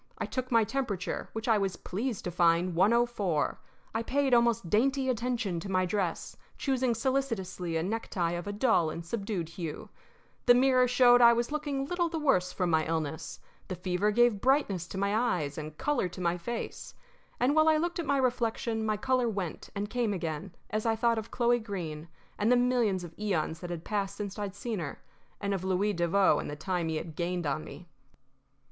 I took my temperature, which I was pleased to find 104. I paid almost dainty attention to my dress, choosing solicitously a necktie of a dull and subdued hue. The mirror showed that I was looking little the worse from my illness. The fever gave brightness to my eyes and color to my face. And while I looked at my reflection my color went and came again as I thought of Chloe Greene and the millions of eons that had passed since I'd seen her, and of Louis Devoe and the time he had gained on me.